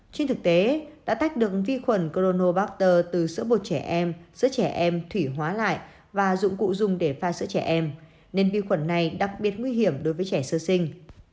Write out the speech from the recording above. trên thực tế đã tác động vi khuẩn coronacer từ sữa bột trẻ em giữa trẻ em thủy hóa lại và dụng cụ dùng để pha sữa trẻ em nên vi khuẩn này đặc biệt nguy hiểm đối với trẻ sơ sinh